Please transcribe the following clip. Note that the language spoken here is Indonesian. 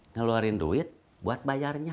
ngeluarin duit buat bayarnya